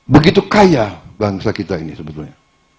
begitu kaya bangsa kita ini sebetulnya